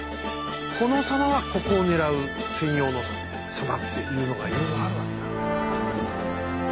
この狭間はここを狙う専用の狭間っていうのがいろいろあるわけだ。